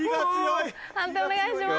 判定お願いします。